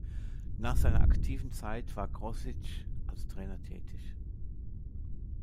Nach seiner aktiven Zeit war Grosics als Trainer tätig.